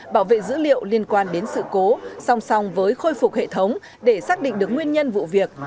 bảo vệ dữ liệu liên quan đến sự cố song song với khôi phục hệ thống để xác định được nguyên nhân vụ việc